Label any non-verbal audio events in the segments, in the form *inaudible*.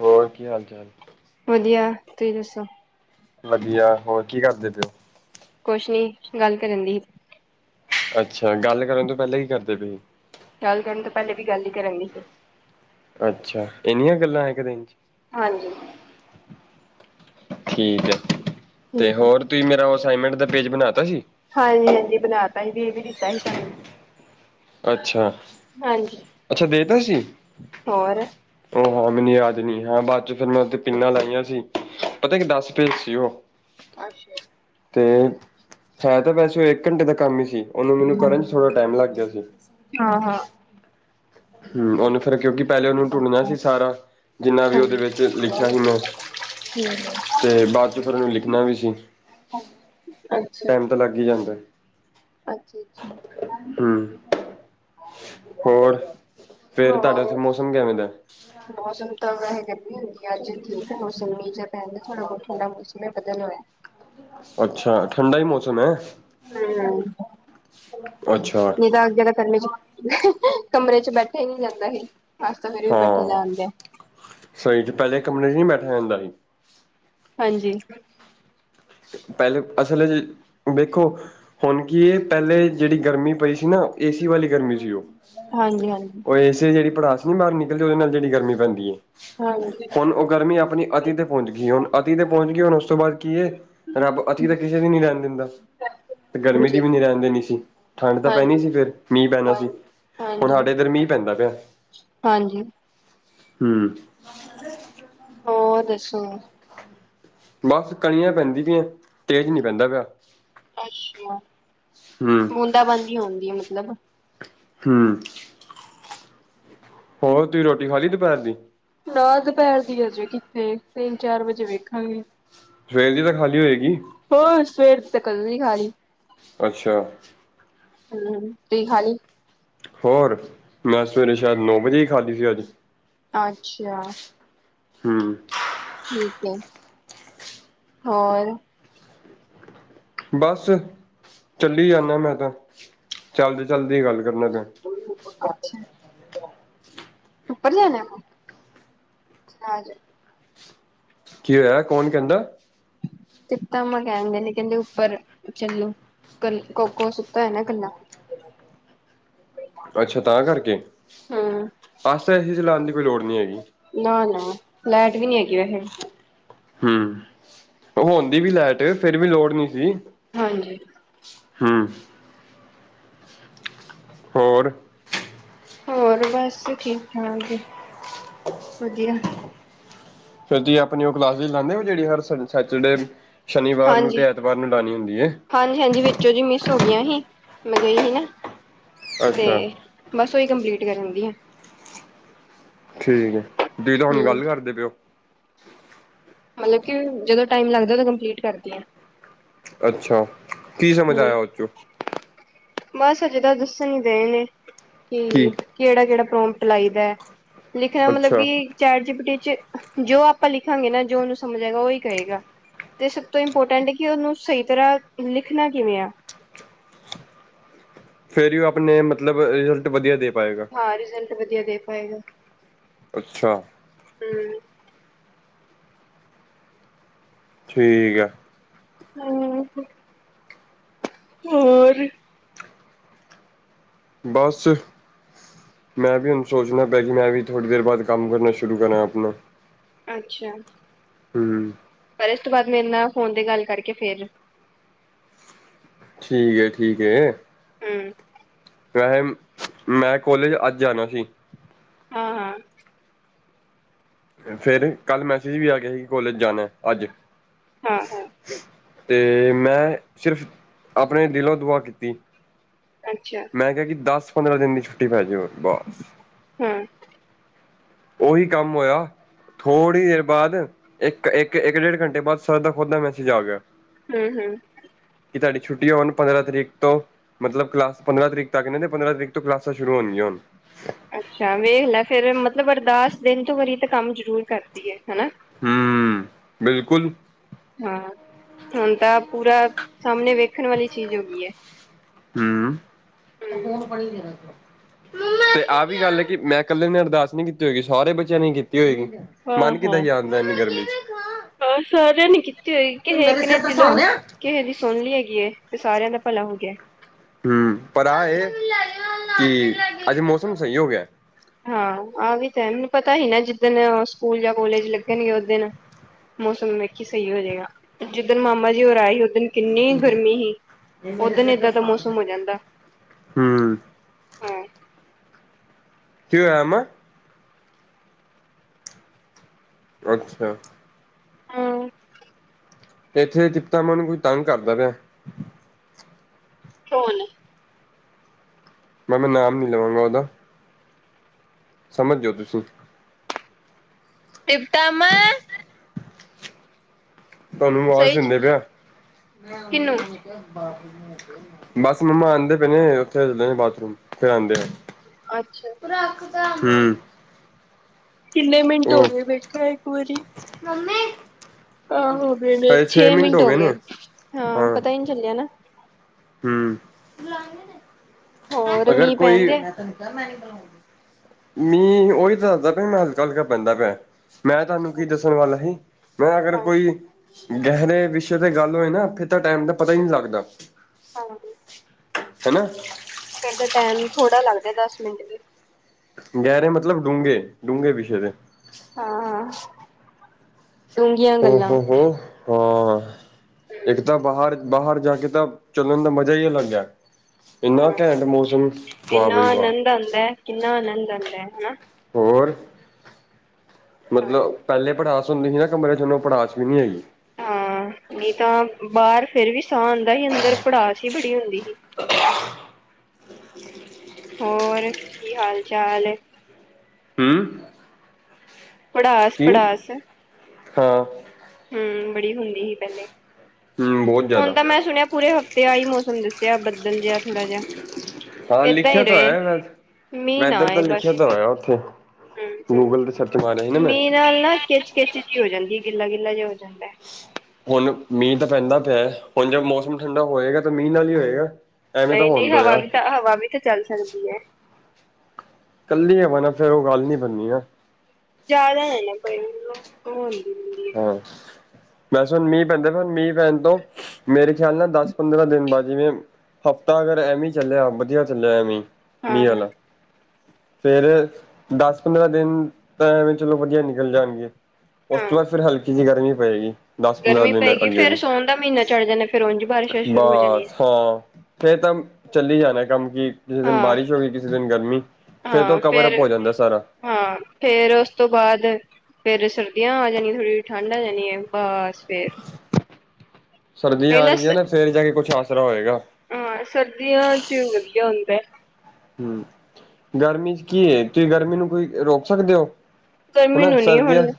ਹੋਰ ਕੀ ਹਾਲ ਚਾਲ- ਵਧੀਆ ਤੁਸੀਂ ਦੱਸੋ- ਵਧੀਆ ਹੋਰ ਕੀ ਕਰਦੇ ਪਏ ਹੋ। ਕੁਛ ਨੀ ਗੱਲ ਕਰ ਰਹੀ। ਅੱਛਾ ਗੱਲ ਕਰਨ ਤੋਂ ਪਹਿਲਾਂ ਹੀ ਕਰਦੇ ਪਏ- ਗੱਲ ਕਰਨ ਤੋਂ ਪਹਿਲੇ ਵੀ ਗੱਲ ਹੀ ਕਰਦੀ ਸੀ। ਅੱਛਾ ਇਹਨੀਆਂ ਗੱਲਾਂ ਹੈ। ਇਕ ਦਿਨ 'ਚ- ਹਾਂਜੀ- ਠੀਕ ਹੈ ਤੇ ਹਾਂਜੀ ਹੋਰ ਤੁਸੀਂ ਮੇਰਾ ਅਸਾਈਨਮੈਂਟ ਦਾ ਪੇਜ ਬਣਾ ਤਾ ਸੀ। ਹਾਂਜੀ- ਹਾਂਜੀ ਬਣਾ ਦਿਤਾ ਸੀ ਦੇ ਵੀ ਦਿੱਤਾ ਸੀ ਤੁਹਾਨੂੰ ਅੱਛਾ- ਹਾਂਜੀ ਅੱਛਾ ਦੇਤਾ ਸੀ। ਹੋਰ ਉਹ ਹਾਂ ਮੈਨੂੰ ਅਜ ਨਹੀ ਹਾਂ, ਬਾਅਦ 'ਚ ਫਿਰ ਮੈ ਉਥੇ ਪੀਨਾ ਲਾਈਆਂ ਸੀ। ਪਤਾ ਕਿ ਦਸ ਪੇਚ ਸੀ ਉਹ- ਅਛਾ- ਤੇ ਹੈ ਤੇ ਵੈਸੇ ਉਹ ਇਕ ਘੰਟੇ ਦਾ ਕਮ ਹੀ ਸੀ, ਉਹਨੂੰ ਮੈਨੂੰ ਕਰਨ 'ਚ ਥੋੜ੍ਹਾ ਟਾਈਮ ਲੱਗ ਗਿਆ ਸੀ। ਹਾਂ- ਹਾਂ- ਹਮ ਉਹਨੂੰ ਫਿਰ, ਕਿਉਕ ਪਹਿਲੇ ਉਹਨੂੰ ਟੁਡਣਾ ਸੀ ਸਾਰਾ- ਜਿੰਨਾ ਵੀ ਹਮ ਉਹਦੇ ਵਿਚ ਲਿਖਿਆ ਸੀ ਮੈ ਤੇ ਬਾਅਦ 'ਚ ਫਿਰ ਉਹਨੂੰ ਲਿਖਣਾ ਵੀ ਸੀ- ਹ *unintelligible* ਟਾਈਮ ਤਾਂ ਲੱਗ ਹੀ ਜਾਂਦਾ- ਅਛਾ- ਅਛਾ- ਹੂੰ, ਹੋਰ ਫੇਰ ਤੁਹਾਡੇ ਉਥੇ ਹੋਰ ਮੌਸਮ ਕਿਵੇ ਦਾ? ਮੌਸਮ ਤਾਂ ਵੈਸ ਗਰਮੀ ਹੁੰਦੀ ਹੈ ਅੱਜ ਠੀਕ ਹੈ ਮੌਸਮ, ਮੀਂਹ ਜਾਂ ਪੈਣ ਦਿਆ ਥੋੜਾ ਬਹੁਤ ਠੰਡਾ ਮੌਸਮ ਹੈ। ਬੱਦਲ ਹੋਇਆ ਅਛਾ, ਠੰਡਾ ਹੀ ਮੌਸਮ ਹੈ। ਹੂੰ, ਅੱਛਾ ਨਹੀ ਤਾਂ ਅੱਗੇ ਗਰਮੀ ਬਹੁਤ ਕਮਰੇ 'ਚ ਬੈਠੇ ਹੀ ਨੀ ਜਾਂਦਾ ਸੀ। ਅੱਜ ਤਾਂ ਫਿਰ ਵੀ ਬੈਠਾ ਹਾਂ ਜਾਣ ਦਿਆ ਸਹੀ 'ਚ, ਪਹਿਲੇ ਕਮਰੇ ਚ ਨਹੀ ਬੈਠਿਆ ਜਾਂਦਾ ਸੀ। ਹਾਂਜੀ- ਪਹਿਲੇ ਅਸਲ 'ਚ ਵੇਖੋ- ਹੁਣ ਕੀ ਇਹ ਪਹਿਲੇ ਜਿਹੜੀ ਗਰਮੀ ਪਈ ਸੀ ਨਾ, ਏ ਸੀ ਵਾਲੀ ਗਰਮੀ ਸੀ ਉਹ- ਹਾਂਜੀ ਹਾਂਜੀ ਉਹ ਏ ਸੀ ਜਿਹੜੀ ਪੜਾਸ ਨੀ ਬਾਹਰ ਨਿਕਲਦੀ, ਉਹਦੇ ਨਾਲ ਜਿਹੜੀ ਗਰਮੀ ਪੈਂਦੀ ਹਾਂਜੀ ਹੁਣ ਉਹ ਗਰਮੀ ਆਪਣੀ ਅਤੀ ਤੇ ਪਹੁੰਚ ਗਈ, ਹੁਣ ਅਤੀ ਤੇ ਪਹੁੰਚ ਗਈ ਹੁਣ ਉਸ ਤੋਂ ਬਾਅਦ ਕੀ ਹੈ। ਰੱਬ, ਅਤੀ ਤਾਂ ਕਿਸੇ ਦੀ ਨੀ ਰੈਣ ਦਿੰਦਾ। ਤੇ ਗਰਮੀ ਹਾਂਜੀ ਦੀ ਵੀ ਨ ਰਹਿਣ ਦੇਣੀ ਸੀ, ਠੰਡ ਤਾਂ ਪੈਣੀ ਹਾਂਜੀ ਸੀ ਫਿਰ ਮੀਂਹ ਪੈਣਾ ਸੀ। ਹੁਣ ਹਾਂਜੀ ਹਾਂਜੀ ਸਾਡੇ ਇੱਧਰ ਮੀਂਹ ਪੈਂਦਾ ਪਿਆ। ਹਾਂਜੀ। ਹਮ। ਹੋਰ ਦੱਸੋ। ਬਸ ਕਣੀਆਂ ਪੈਂਦੀ ਪਈਆਂ, ਤੇਜ਼ ਨਹੀਂ ਪੈਂਦਾ ਪਿਆ। ਅੱਛਾ। ਹਮ। ਬੁੰਦ ਬੰਦੀ ਹੁੰਦੀ ਹੈ ਮਤਲਬ ਹਮ। ਹੋਰ ਤੁਸੀਂ ਰੋਟੀ ਖਾਲੀ ਦੁਪਹਿਰ ਦੀ? ਨਾ ਦੁਪਹਿਰ ਦੀ ਹਜੇ ਕਿੱਥੇ, ਤਿੰਨ ਚਾਰ ਵਜੇ ਵੇਖਾਂਗੇ। ਸਵੇਰ ਦੀ ਤਾਂ ਖਾਲੀ ਹੋਏਗੀ। ਹੋਰ ਸਵੇਰ ਤੇ ਕਦੋ ਦੀ ਖਾਲੀ ਅੱਛਾ। ਹਮ, ਤੁਸੀ ਖਾਲੀ? ਹੋਰ, ਮੈਂ ਸਵੇਰੇ ਸ਼ਾਇਦ ਨੌ ਵਜੇ ਹੀ ਖਾਲੀ ਸੀ ਅੱਜ। ਅੱਛਾ। ਹਮ। ਠੀਕ ਹੈ, ਹੋਰ। ਬਸ ਚੱਲੀ ਜਾਂਦਾ ਮੈਂ ਤਾਂ, ਚੱਲਦੇ ਚੱਲਦੇ ਗੱਲ ਕਰਨਾ ਪੈ ਅਛਾ। ਉੱਪਰ ਜਾਣਾ ਕੀ ਹੋਇਆ ਕੌਣ ਕਹਿੰਦਾ? ਤੇਤਾਮਾ ਕਹਿਗੇ ਨੇ ਕਹਿੰਦੇ ਉੱਪਰ ਚੱਲੂ ਕੋਕੋ ਸੁੱਕਤਾ ਹੈ ਨਾ ਇਕੱਲਾ। ਅੱਛਾ ਤਾਂ ਕਰਕੇ? ਹਮ ਅਸ ਤਾਂ ਏ ਸੀ ਚਲਾਉਣ ਦੀ ਕੋਈ ਲੋੜ ਨਹੀਂ ਹੈਗੀ। ਨਾ ਨਾ ਲੈਟ ਵੀ ਨੀ ਹੈਗੀ ਵੈਹੇ। ਹਮ, ਉਹ ਹੁੰਦੀ ਵੀ ਲਾਈਟ ਫੇਰ ਵੀ ਲੋੜ ਨੀ ਸੀ। ਹਾਂਜੀ। ਹਮ। ਹੋਰ। ਹੋਰ ਬਸ ਠੀਕ-ਠਾਕ ਵਧੀਆ। *inaudible* ਆਪਣੀ ਉਹ ਕਲਾਸ ਲਾਉਂਦੇ ਹੋ? ਜਿਹੜੀ ਉਹ ਹਰ ਸੈਚਰਡੇ ਸ਼ਨੀਵਾਰ ਨੂੰ ਤੇ ਐਤਵਾਰ ਨੂੰ ਲਾਉਣੀ ਹੁੰਦੀ ਹੈ। ਹਾਂਜੀ-ਹਾਂਜੀ ਵਿੱਚੋ ਜੀ ਮਿਸ ਹੋ ਗਈਆਂ ਸੀ, ਮੈਂ ਗਈ ਸੀ ਨਾ ਤੇ ਅੱਛਾ ਬਸ ਉਹੀ ਕੰਪਲੀਟ ਕਰਨ ਦੀ ਆ। ਠੀਕ ਜਿਹਤੋਂ ਹੁਣ ਹਮ ਗੱਲ ਕਰਦੇ ਪਏ ਹੋ? ਮਤਲਬ ਕਿ ਜਦੋਂ ਟਾਈਮ ਲੱਗਦਾ ਕੰਪਲੀਟ ਕਰਦੀ ਹਾਂ। ਅੱਛਾ! ਕੀ ਸਮਝ ਹਮ ਆਇਆ ਉਹ ਚੋਂ? ਬਸ ਅਜੇ ਤ ਦੱਸਣ ਹੀ ਦੇ ਨੇ ਕੀ ਕਿ ਕਿਹੜਾ-ਕਿਹੜਾ ਪ੍ਰੋਟ ਲਈ ਦਾ ਏ। ਲਿਖਣਾ ਮਤਲਬ ਅੱਛਾ ਕਿ ਚੈਟ ਜੀਪੀਟੀ ਚ ਜੋ ਆਪਾਂ ਲਿਖਾਂਗੇ ਨਾ ਜੋ ਉਹਨੂੰ ਸਮਝ ਆਏਗਾ ਉਹੀ ਕਰੇਗਾ। ਤੇ ਸਭ ਤੋਂ ਇੰਪੋਰਟੈਂਟ ਕਿ ਉਹਨੂੰ ਸਹੀ ਤਰ੍ਹਾਂ ਲਿਖਣਾ ਕਿਵੇਂ ਆ। ਫੇਰ ਹੀ ਉਹ ਆਪਣੇ ਮਤਲਬ ਰਿਜ਼ਲਟ ਵਧੀਆ ਦੇ ਪਾਏਗਾ। ਹ ਰਿਜ਼ਲਟ ਵਧੀਆ ਦੇ ਪਾਏਗਾ। ਅੱਛਾ। ਹਮ। ਠੀਕ ਆ। ਹਮ, ਹੋਰ? ਬਸ। ਮੈਂ ਵੀ ਹੁਣ ਸੋਚਣਾ ਪਿਆ ਕਿ ਮੈਂ ਵੀ ਥੋੜ੍ਹੀ ਦੇਰ ਬਾਅਦ ਕੰਮ ਕਰਨਾ ਸ਼ੁਰੂ ਕਰਾਂ ਆਪਣਾ। ਅੱਛਾ। ਹਮ ਪਰ ਇਸ ਤੋਂ ਬਾਅਦ ਮੇਰੇ ਨਾਲ ਫੋਨ ਤੇ ਗੱਲ ਕਰਕੇ ਫੇਰ- ਠੀਕ ਹੈ-ਠੀਕ ਹੈ। ਹਮ। ਵੈਸੇ, ਮੈਂ ਕੋਲੇਜ ਅੱਜ ਆਣਾ ਸੀ। ਹਾਂ-ਹਾਂ ਫਿਰ ਕੱਲ ਮੈਸੇਜ ਵੀ ਆ ਗਿਆ ਸੀ, ਕੋਲੇਜ ਜਾਣਾ ਅੱਜ। ਹਾਂ ਹਾਂ ਤੇ ਮੈਂ ਸਿਰਫ਼ ਆਪਣੇ ਦਿਲੋਂ ਦੁਆ ਕੀਤੀ। ਅੱਛਾ। ਮੈਂ ਕਿਹਾ ਕਿ ਦਸ-ਪੰਦਰਾਂ ਦਿਨ ਦੀ ਛੁੱਟੀ ਪੈ ਜਾਵੇ ਬਸ। ਹਮ। ਉਹੀ ਕੰਮ ਹੋਇਆ। ਥੋੜ੍ਹੀ ਦੇਰ ਬਾਅਦ ਇੱਕ ਇੱਕ ਇੱਕ ਡੇਢ ਘੰਟੇ ਬਾਅਦ ਸਰ ਦਾ ਖੁਦ ਦਾ ਮੈਸੇਜ ਆ ਗਿਆ। ਹਮ-ਹਮ। ਕਿ ਤੁਹਾਡੀ ਛੁੱਟੀ ਹੋਣ ਪੰਦਰਾਂ ਤਰੀਕ ਤੋਂ ਮਤਲਬ ਕਲਾਸ ਪੰਦਰਾਂ ਤਰੀਕ ਤੱਕ ਕਹਿੰਦੇ ਪੰਦਰਾਂ ਤਰੀਕ ਤੋਂ ਕਲਾਸਾਂ ਸ਼ੁਰੂ ਹੋਣੀਆਂ ਹੁਣ। ਅੱਛਾ ਵੇਖ ਲੈ ਫੇਰ, ਮਤਲਬ ਅਰਦਾਸ ਦਿਲ ਤੋਂ ਕਰੀ ਤਾਂ ਕੰਮ ਜ਼ਰੂਰ ਕਰਦੀ ਹੈ ਹਨਾ। ਹਮ, ਬਿਲਕੁਲ। ਹਾਂ ਹੁਣ ਤਾਂ ਪੂਰਾ, ਸਾਹਮਣੇ ਵੇਖਣ ਵਾਲੀ ਚੀਜ਼ ਹੋ ਗਈ ਹੈ। ਹਮ, ਹਮ ਫੋਨ ਫੜੀ ਤੇ ਆਹ ਵੀ ਗੱਲ ਹੈ ਕਿ ਮੈਂ ਕੱਲੇ ਅਰਦਾਸ ਨੀ ਕੀਤੀ ਹੋਏਗੀ, ਸਾਰੇ ਬੱਚਿਆਂ ਨੇ ਕੀਤੀ ਹੋਏਗੀ। ਮੰਨ ਕਿਦ ਸੀ ਆਉਂਨ ਦਾ ਇਨੀ ਗਰਮੀ 'ਚ ਆਹ ਸਾਰਿਆਂ ਨੇ ਕੀਤੀ ਹੋਈ, ਕਿਸਹੇੇ ਇਕ ਨੇ ਦਿਲੋਂ ਕਿਸੇ ਦੀ ਸੁਣ ਲਈ ਹੈਗੀ ਏ ਤੇ ਸਾਰਿਆਂ ਦਾ ਭਲਾ ਹੋ ਗਿਆ। ਹਮ ਪਰ ਆਹ ਇਹ ਕਿ, ਅੱਜ ਮੌਸਮ ਸਹੀ ਹੋ ਗਿਆ। ਹਾਂ ਆਹ ਵੀ ਤਾਂ ਮੈਨੂੰ ਪਤਾ ਹੀ ਨਾ ਜਿੱਦਣ ਸਕੂਲ ਜਾਂ ਕੋਲੇਜ ਲੱਗਣਗੇ, ਓਦਨ ਮੌਸਮ ਵੇਖੀ ਸਹੀ ਹੋ ਜਾਏਗਾ। ਜਿੱਦਣ ਮਾਮਾ ਜੀ ਹੋਰਾਂ ਆਏ ਉਦਣ ਕਿੰਨੀ ਗਰਮੀ ਸੀ, ਓਦਨ ਏਦਾਂ ਦਾ ਮੌਸਮ ਹੋ ਜਾਂਦਾ। ਹੂੰ ਕਿਂ ਹੋਇਆ ਮਮਾ? ਅੱਛਾ। ਹਮ। ਤੇ ਇੱਥੇ ਜਿਦਾ ਮਨ ਨੂੰ ਕੋਈ ਤੰਗ ਕਰਦਾ ਪਿਆ। ਕੌਣ? ਮ ਮੈਂ ਨਾਮ ਨੀ ਲਵਾਂਗਾ ਉਹਦਾ ਸਮਝਓ ਜਾਓ ਤੁਸੀਂ ਟਿਪਤਾ ਮਾ, ਤੁਹਾਨੂੰ ਆਵਾਜ਼ ਸਹੀ ਚ ਦਿੰਦੇ ਪਿਆ। ਕਿਨੂੰ ਬਸ ਮੰਮਾ ਆਉਂਦੇ ਪਏ ਨੇ, ਓਥੇ ਨੇ ਬਾਥਰੂਮ ਫਿਰ ਆਂਦੇ ਆ। ਅੱਛਾ। ਹਮ। ਕਿੰਨੇ ਮਿੰਟ ਹੋ ਗਏ, ਵੇਖਾਂ ਇੱਕ ਵਾਰੀ ਮੰਮੀ, ਆਹ ਹੋ ਗ ਛੇ ਮਿੰਟ ਹੋ ਗਏ, ਹਾਂ ਪਤਾ ਹੀ ਨਹੀਂ ਚੱਲਿਆ ਨਾ ਹਮ, ਹੋਰ ਅਗਰ ਮੀਂਹ ਪੈਣ ਕੋਈ ਦਿਆ ਮੀਂਹ ਉਹੀ ਦੱਸਦਾ ਪਿਆ ਮੈਂ, ਹਲਕਾ ਹਲਕਾ ਪੈਂਦਾ ਪਿਆ। ਮੈਂ ਤੁਹਾਨੂੰ ਕੀ ਦੱਸਣ ਵਾਲਾ ਸੀ, ਮੈਂ ਅਗਰ ਹਾਂ ਕੋਈ ਗਹਿਨੇ ਵਿਸ਼ੇ ਤੇ ਗੱਲ ਹੋਏ ਨਾ ਫਿਰ ਤਾਂ ਟਾਈਮ ਦਾ ਪਤਾ ਹੀ ਨਹੀਂ ਲੱਗਦਾ। ਹਾਂ ਜੀ। ਹਨਾ। ਫਿਰ ਦਾ ਟਾਈਮ ਥੋੜ੍ਹਾ ਲੱਗਦਾ ਹ, ਦਸ ਮਿੰਟ ਵੀ। ਗਹਿਰੇ ਮਤਲਬ, ਡੂੰਘੇ-ਡੂੰਘੇ ਵਿਸ਼ਯ ਦੇ। ਹਾਂ ਹਾਂ ਹਾਂ। ਹੋ ਹੋ ਹੋ ਹਾਂ, ਅ ਇੱਕ ਤਾਂ ਬਾਹਰ ਬਾਹਰ ਜਾ ਕੇ ਤਾਂ ਚੱਲਣ ਦਾ ਮਜ਼ਾ ਹੀ ਅਲੱਗ ਹੈ। ਇੰਨਾ ਘੈਂਟ ਮੌਸਮ, ਵਾਹ ਬਈ ਵਾਹ। ਅਨੰਦ ਹੁੰਦਾ ਹੈ। ਕਿੰਨਾ ਆਨੰਦ ਆਉਂਦਾ ਹੈ, ਹਨਾ। ਹੋਰ ਮਤਲਬ, ਪਹਿਲੇ ਪੜਾਸ ਹੁੰਦੀ ਸੀ ਨਾ ਕਮਰੇ 'ਚ, ਹੁਨ ੳਹ ਪੜਾਸ਼ ਵੀ ਨਹੀਂ ਹੈਗੀ। ਹਾਂ ਨਹੀਂ ਤਾਂ ਬਾਹਰ ਫਿਰ ਵੀ ਸਾਹ ਆਉਂਦਾ ਸੀ, ਅੰਦਰ ਪੜਾਸ ਹੀ ਬੜੀ ਹੁੰਦੀ ਸੀ। ਹੋਰ, ਕੀ ਹਾਲ-ਚਾਲ ਹੈ। ਹਮਮ। ਪੜਾਸ ਪੜਾਸ ਹੈ। ਹਾਂ। ਹਮ ਬੜੀ ਹੁੰਦੀ ਸੀ ਪਹਿਲੇ ਹੂੰ ਬਹੁਤ ਹੁਣ ਜ਼ਿਆਦਾ ਤਾਂ ਮੈਂ ਸੁਣਿਆ ਪੂਰੇ ਹਫ਼ਤੇ। ਤੇ ਆਹੀ ਮੌਸਮ ਦੱਸਿਆ ਬਦਲ ਜਿਹਾ ਥੋੜਾ ਜਿਹਾ। ਹਾਂ ਏਦਾਂ ਲਿਖਿਆ ਹੀ ਤਾਂ ਰਹੇ ਹੋਯਾ। ਮੀਂਹ ਨਾ ਵੈਦਰ ਤਾਂ ਆਏ ਲਿਖਿਆ ਬਸ ਤਾਂ ਹੋਇਆ ਉੱਥੇ ਹਮ ਗੂਗਲ ਤੇ ਸਰਚ। ਮਾਰਿਆ ਸੀ ਨਾ ਮੈਂ ਮੀਂਹ ਨਾਲ ਨਾ ਕਿਚ ਕਿਚ ਜਿਹੀ ਹੋ ਜਾਂਦੀ ਹੈ ਗਿੱਲਾ ਗਿੱਲਾ ਜਿਹਾ ਹੋ ਜਾਂਦਾ ਹ। ਹੁਣ ਮੀਂਹ ਤਾਂ ਪੈਂਦਾ ਪਿਆ ਹੈ ਹੁਣ ਜੇ ਮੌਸਮ ਠੰਡਾ ਹੋਏਗਾ ਤਾਂ ਮੀਂਹ ਨਾਲ ਹੀ ਹੋਏਗਾ। ਐਵੇਂ ਤਾਂ ਨਹੀਂ ਹੋਣ ਨਹੀਂ ਤੋਂ ਹਵਾ ਰਿਹਾ ਵੀ ਤਾਂ ਹਵਾ ਵੀ ਤਾਂ ਚੱਲ ਸਕਦੀ ਹੈ। ਕੱਲੀ ਆ ਬ ਨਾ ਫੇਰ ਉਹ ਗੱਲ ਨੀ ਬਣਨੀ ਆ। ਜ਼ਿਆਦਾ ਹੈ ਨਾ ਕੋ ਉਹ ਹੁੰਦੀ ਹੁੰਦੀ। ਹੈ। ਬੈਸ ਹੁਣ ਮੀਂਹ ਪੈਂਦਾ ਹੁਣ ਮੀਂਹ ਪੈਣ ਤੋਂ ਮੇਰੇ। ਖਿਆਲ ਨਾਲ ਦਸ ਪੰਦਰਾਂ ਦਿਨ ਬਾਅਦ ਜਿਵੇਂ ਹਫ਼ਤਾ ਅਗਰ ਐਵੇਂ ਚੱਲਿਆ ਵਧੀਆ ਚੱਲਿਆ ਐਵੇਂ। ਮੀਹ ਹਾਂ। ਹਲਾ। ਫੇਰ ਦਸ ਪੰਦਰਾਂ ਦਿਨ ਤਾਂ ਐਵੇਂ ਚਲੋ ਵਧੀਆ ਨਿਕਲ ਜਾਣਗੇ। ਉਸ ਤੋਂ ਹਾਂ ਬਾਅ ਫਿਰ ਹਲਕੀ ਜਿ ਗਰਮੀ ਪਏਗੀ। ਦਸ ਪੰਦਰਾਂ ਗਰਮੀ ਦਿਨ ਪਏਗੀ ਅੱਗੇ ਫੇਰ ਜੀ ਸੋਣ ਦਾ ਮਹੀਨਾ ਚੜ ਜਾਣਾ ਫੇਰ ਉਂਝ ਬਾਰਿਸ਼ਾਂ ਸ਼ੁਰੂ ਹੋ ਜਾਣੀਆਂ। ਬਸ ਹਾਂ ਆ। ਫ਼ੇਰ ਤਾਂਮ ਚੱਲ ਹੀ ਜਾਣਾ ਕੰਮ ਕਿ। ਕਿਸੇ ਦਿਨ ਹਾਂ ਬਾਰਿਸ਼ ਹੋ ਗਈ ਕਿਸੇ ਦਿਨ ਗਰਮੀ ਫੇਰ ਤੋਂ ਕਵਰਅਪ ਹੋ ਜਾਂਦਾ ਸਾਰਾ। ਹਾਂ ਫੇਰ ਉਸ ਤੋਂ ਬਾਅਦ। ਫੇਰ ਸਰਦੀਆਂ ਆ ਜਾਣੀਆਂ ਥੋੜ੍ਹੀ ਜਹੀ ਠੰਡ ਆ ਜਾਣੀ ਹੈ ਬਸ ਫੇਰ। ਸਰਦੀਆਂ ਪਹਿਲਾਂ ਆਣਗੀਆਂ ਨਾ ਫੇਰ ਜਾ ਕੇ ਕੁੱਛ ਆਸਰਾ ਹੋਏਗਾ। ਹਾਂ ਸਰਦੀਆਂ ਚ ਵਧੀਆ ਹੁੰਦਾ ਹੈ। ਹਮ ਗਰਮੀ ਚ ਕੀ ਹੈ ਤੁਸੀਂ ਗਰਮੀ ਨੂੰ ਕੋਈ ਰੋਕ ਸਕਦੇ ਹੋ। ਗਰਮੀ ਹਨਾ ਨੂੰ ਨੀ ਸਰਦੀਆਂ ਹੁਣ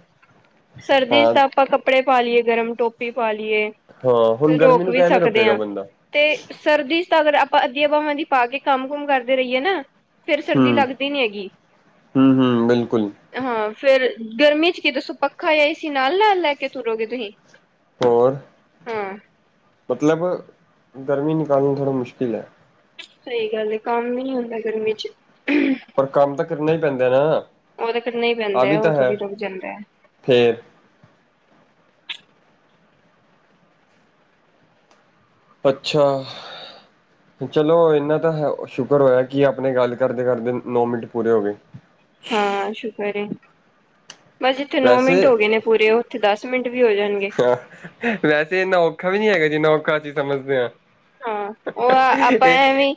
ਸਰਦੀ ਚ ਹਾਂ ਤਾਂ ਆਪਾਂ ਕਪ। ਕੱਪੜੇ ਪਾ ਲਈਏ ਗਰਮ ਟੋਪੀ ਪਾ ਲਈਏ। ਹਾਂ ਹੁਣ ਗਰਮੀ ਰੋਕ ਨੂੰ ਵੀ ਕਿਵੇਂ ਸਕਦੇ ਰੁਕੇਗਾ ਹਾਂ। ਬੰਦਾ। ਤੇ ਸਰਦੀ ਚ ਤਾਂ ਅਗਰ ਆਪਾਂ ਅੱਧੀਆਂ ਬਵਾਂ ਦੀ ਪਾ ਕੇ ਕੰਮ ਕੁਮ ਕਰਦੇ ਰਹੀਏ ਨਾ। ਫੇਰ ਸਰਦੀ ਲੱਗਦੀ ਨੀ ਹੈਗੀ। ਹੁ ਹੁ ਬਿਲਕੁਲ। ਹਾਂ ਫੇਰ ਗਰਮੀ ਚ ਕੀ ਦੱਸੋ ਪੱਖਾ ਜਾਂ ਏਸੀ ਨਾਲ-ਨਾਲ ਲੈ ਕੇ ਤੁਰੋਗੇ ਤੁਸੀਂ। ਔਰ ਹਾਂ ਮਤਲਬ ਗਰਮੀ ਨਿਕਾਲਣਾ ਥੋੜਾ ਮੁਸ਼ਕਿਲ ਹੈ। ਸਹੀ ਗੱਲ ਹੈ ਕੰਮ ਈ ਨੀ ਹੁੰਦਾ ਗਰਮੀ ਚ। ਪਰ ਕੰਮ ਤਾਂ ਕਰਨਾ ਹੀ ਪੈਂਦਾ ਨਾ। ਉਹ ਤਾਂ ਕਰਨਾ ਹੀ ਆ ਪੈਂਦਾ ਵੀ ਉਹ ਤਾਂ ਹੈ ਥੋੜ੍ਹੀ ਰੁਕ ਜਾਂਦਾ। ਫੇਰ। ਅੱਛਾ। ਚਲੋ ਇੰਨਾ ਤਾਂ ਸ਼ੁਕਰ ਹੋਇਆ ਕਿ ਆਪਣੇ ਗੱਲ ਕਰਦੇ ਕਰਦੇ ਨੌ ਮਿੰਟ ਪੂਰੇ ਹੋ ਗਏ। ਹਾਂ ਸ਼ੁਕਰ ਹੈ। ਬਸ ਜਿੱਥੇ ਨੋ ਵੈਸੇ ਮਿੰਟ ਹੋ ਗਏ ਨੇ ਪੂਰੇ ਉੱਥੇ ਦਸ ਮਿੰਟ ਵੀ ਹੋ ਜਾਣਗੇ। ਹਾਂ ਵੈਸੇ ਇੰਨਾ ਔਖਾ ਵੀ ਨਹੀਂ ਹੈਗਾ ਜਿੰਨਾ ਔਖਾ ਅਸੀਂ ਸਮਝਦੇ ਹਾਂ। ਹਾਂ ਉਹ ਆਪਾਂ ਇਹ ਐਵੇ ਵੀਂ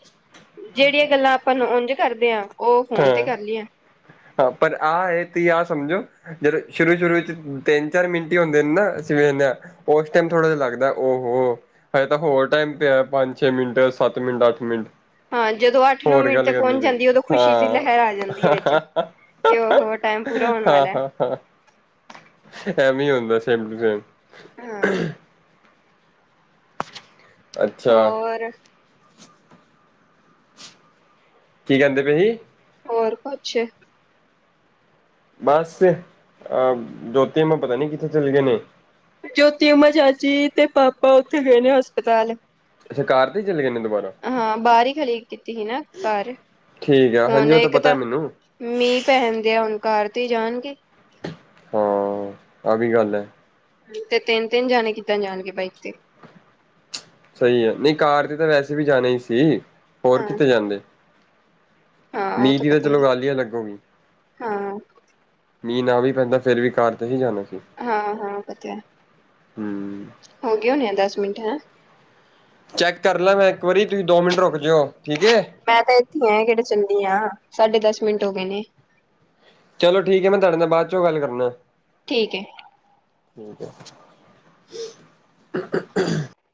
ਜਿਹੜੀਆਂ ਗੱਲਾਂ ਆਪਾਂ ਨੂੰ ਉੰਝ ਕਰਦੇ ਹਾਂ। ਉਹ ਫੋਨ ਤੇ ਹਾਂ ਕਰ ਲਈ ਆ। ਹਾਂ ਪਰ ਆ ਹੈ ਤੁਸੀ ਆ ਸਮਝੋ। ਜਦੋਂ ਸ਼ੁਰੂ-ਸ਼ੁਰੂ ਚ ਤਿੰਨ, ਚਾਰ ਮਿੰਟ ਹੀ ਹੁੰਦੇ ਨੇ ਨਾ ਅਸੀ ਵੇਖਨੇ ਆ। ਉਸ ਟਾਈਮ ਥੋੜ੍ਹਾ ਜਿਹਾ ਲੱਗਦਾ ਉਹ ਹੋ। ਹਜੇ ਤਾਂ ਹੋਰ ਟਾਈਮ ਪਿਆ ਪੰਜ-ਛੇ ਮਿੰਟ, ਸੱਤ ਮਿੰਟ, ਅੱਠ ਮਿੰਟ। ਹਾਂ ਜਦੋਂ ਅੱਠ, ਨੌ ਹੋਰ ਮਿੰਟ ਗੱਲ ਤੇ ਕਰਨੀ ਪਹੁੰਚ ਪਈ ਜਾਂਦੀ ਉਦੋਂ-' ਖੁਸ਼ੀ ਦੀ ਲਹਿਰ ਆ ਹਾਂ ਜਾਂਦੀ ਹੈ ਹਾਂ ਵਿੱਚ ਕਿ ਉਹ ਹੋ ਟੈਮ ਪੂਰਾ ਹੋਣ ਵਾਲਾ ਹੈ। ਹਾ ਐ ਵੇ ਹੀ ਹੁੰਦਾ ਸੇਮ ਟੂ ਸੇਮ। ਹੂੰ ਅੱਛਾ ਹੋਰ ਕੀ ਕਹਿੰਦੇ ਪਏਸੀ। ਹੋਰ ਕੁਛ ਬਸ ਅਹ *unintelligible* ਪਤਾ ਨੀ ਕਿੱਥੇ ਚਲੇ ਗਏ ਨੇ। ਜੋਤੀ ਉਮਾ ਚਾਚੀ ਤੇ ਪਾਪਾ ਉੱਥੇ ਗਏ ਨੇ ਹਸਪਤਾਲ। ਅੱਛਾ ਕਾਰ ਤੇ ਹੀ ਚਲੇ ਗਏ ਨੇ ਦੁਬਾਰਾ। ਹਾਂ ਬਾਰ ਹੀ ਖੜੀ ਕੀਤੀ ਏ ਨਾ ਕਾਰ ਠੀਕ ਆ ਹੁਣ ਹਾਂਜੀ ਉਹ ਇੱਕ ਪਤਾ ਤਾਂ ਮੈਨੂੰ ਮੀਂਹ ਪੈਨ ਡੇਆ ਹੁਣ ਕਾਰ ਤੇ ਹੀ ਜਾਣਗੇ। ਹਾਂ ਆ ਵੀ ਗੱਲ ਹੈ। ਤੇ ਤਿੰਨ-ਤਿੰਨ ਜਾਣੇ ਕਿੱਦਾਂ ਜਾਣਗੇ ਬਾਈਕ ਤੇ। ਸਹੀ ਹੈ ਨਹੀ ਕਾਰ ਤੇ ਤਾਂ ਵੈਸੇ ਵੀ ਜਾਣੇ ਹੀ ਸੀ ਹੋਰ ਹਾਂ ਕਿੱਥੇ ਜਾਂਦੇ। ਹਾਂ ਉਹ ਮੀਂਹ ਦੀ ਤਾਂ ਪਤਾ ਚਲੋ ਗਾਲ ਹੀ ਅਲੱਗ ਹੋ ਗਈ। ਹਾਂ ਮੀ ਨਾ ਵੀ ਪੈਂਦਾ ਫਿਰ ਵੀ ਕਾਰ ਤੇ ਹੀ ਜਾਣਾ ਸੀ। ਹਾਂ-ਹਾਂ ਪਤਿਆ ਹਮ ਹੋ ਗੇ ਹੋਣੇ ਆ ਦਸ ਮਿੰਟ ਹੈਂ। ਚੈੱਕ ਕਰ ਲੈ ਮੈਂ ਇੱਕ ਵਾਰੀ ਤੁਸੀਂ ਦੋ ਮਿੰਟ ਰੁਕ ਜਇਓ ਠੀਕ ਹੈ। ਮੈਂ ਤਾਂ ਇੱਥੇ ਆ ਕਿਹੜੇ ਚੱਲੀਆ ਸਾਢੇ ਦਸ ਮਿੰਟ ਹੋ ਗੇ ਨੇ। ਚਲੋ ਠੀਕ ਹੈ ਮੈਂ ਤੁਹਾਡੇ ਨਾਲ ਬਾਦ ਚੋਂ ਗੱਲ ਕਰਨਾ। ਠੀਕ ਹੈ। ਠੀਕ ਏ।